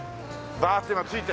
バーッて今着いて。